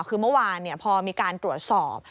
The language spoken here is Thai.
คือเมื่อวานพอมีการตรวจสอบ